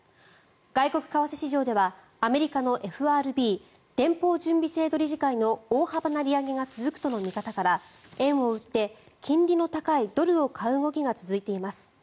外国為替市場ではアメリカのＦＲＢ・連邦準備制度理事会の大幅な利上げが続くとの見方から円を売って金利の高いドルを買う動きが続いています。